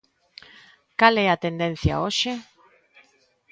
Cal é a tendencia hoxe?